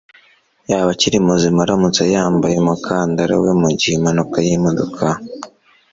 yaba akiri muzima aramutse yambaye umukandara we mugihe impanuka yimodoka